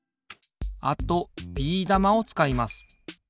あとビー玉をつかいます。